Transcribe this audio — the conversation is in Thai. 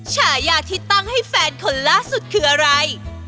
ฉายาที่ตั้งให้แฟนคนล่าสุดคืออะไร